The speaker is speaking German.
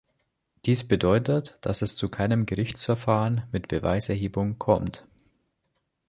Dies bedeutet, dass es zu keinem Gerichtsverfahren mit Beweiserhebungen kommt.